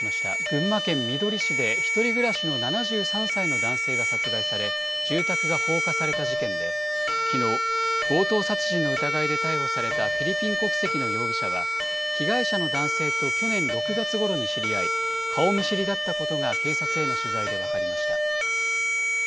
群馬県みどり市で１人暮らしの７３歳の男性が殺害され、住宅が放火された事件で、きのう、強盗殺人の疑いで逮捕されたフィリピン国籍の容疑者は、被害者の男性と去年６月ごろに知り合い、顔見知りだったことが警察への取材で分かりました。